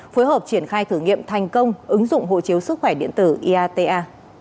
phối hợp triển khai thử nghiệm thành công ứng dụng hộ chiếu sức khỏe điện tử iata